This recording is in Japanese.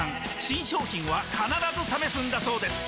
新商品は必ず試すんだそうです